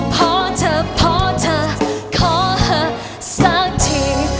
เพราะเธอเพราะเธอขอเธอสักที